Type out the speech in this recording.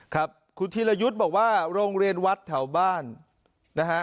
ครับคุณธีรยุทธ์บอกว่าโรงเรียนวัดแถวบ้านนะฮะ